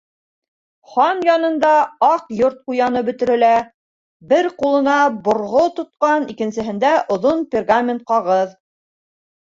Хан янында Аҡ Йорт ҡуяны бөтөрөлә —бер ҡулына борғо тотҡан, икенсеһендә —оҙон пергамент ҡағыҙ.